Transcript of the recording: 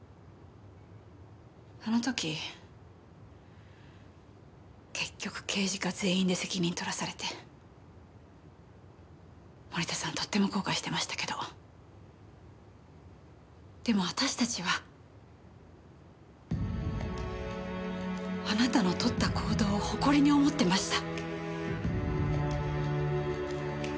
あの時結局刑事課全員で責任取らされて森田さんとっても後悔してましたけどでも私たちはあなたの取った行動を誇りに思ってました。